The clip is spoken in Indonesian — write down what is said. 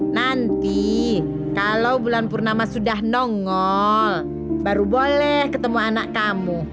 nanti kalau bulan purnama sudah nongol baru boleh ketemu anak kamu